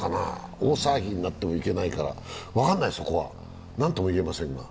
大騒ぎになってもいけないから、分からない、そこはなんとも言えませんが。